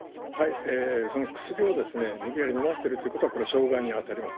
その薬を無理やり飲ませてるということは傷害に当たります。